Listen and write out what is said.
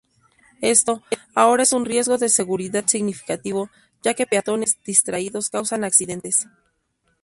Esto ahora es un riesgo de seguridad significativo ya que peatones distraídos causan accidentes.